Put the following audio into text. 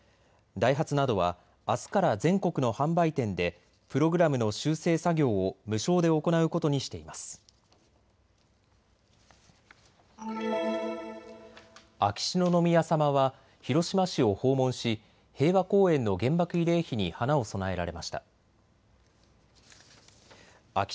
ダイハツなどはあすから全国の販売店でプログラムの修正作業を無償で行うことにしています。